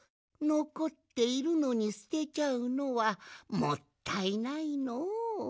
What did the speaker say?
のこっているのにすてちゃうのはもったいないのう。